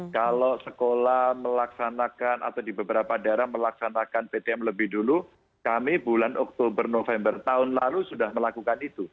kalau sekolah melaksanakan atau di beberapa daerah melaksanakan ptm lebih dulu kami bulan oktober november tahun lalu sudah melakukan itu